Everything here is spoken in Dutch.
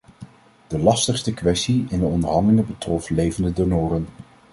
De lastigste kwestie in de onderhandelingen betrof levende donoren.